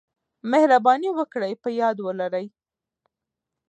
مهرباني وکړئ په یاد ولرئ: